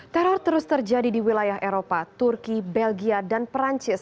teror terus terjadi di wilayah eropa turki belgia dan perancis